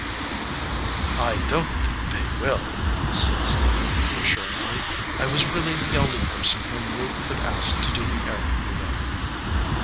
"I don t think they will," said Stephen, reassur ingly. "I was really the only person whom Ruth could ask to do the errand, you know."